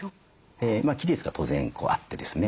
期日が当然あってですね